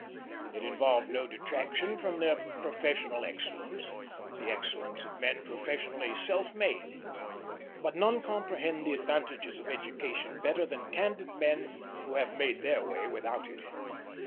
It involved no detraction from their professional excellence, the excellence of men professionally self made; but none comprehend the advantages of education better than candid men who have made their way without it.